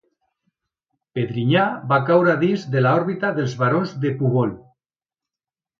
Pedrinyà va caure dins de l'òrbita dels barons de Púbol.